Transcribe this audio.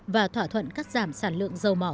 và thỏa thuận cắt giảm sản lượng dầu mỏ